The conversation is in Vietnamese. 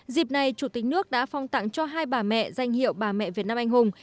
dịp này chủ tịch nước đã phong tặng cho hai bà mẹ danh hiệu bà mẹ việt nam anh hùng